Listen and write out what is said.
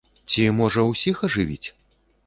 Ці, можа, усіх ажывіць?